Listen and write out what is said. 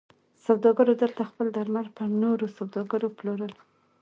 سوداګرو دلته خپل درمل پر نورو سوداګرو پلورل.